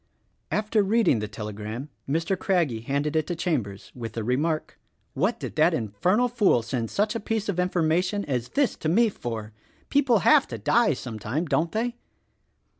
After reading the telegram Mr. Craggie handed it to Chambers with the remark, "What did that infernal fool send such a piece of information as that to me for. People have to die sometime, don't they?"